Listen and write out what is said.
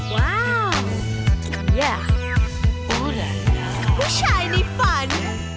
ว้าวผู้ชายในฝัน